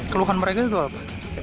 keluhan mereka itu apa